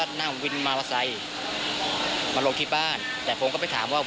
ได้ภูมิเบาะ